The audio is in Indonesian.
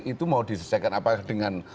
itu mau disesuaikan apakah dengan